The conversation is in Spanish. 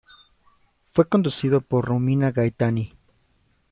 Fue conducido por Romina Gaetani.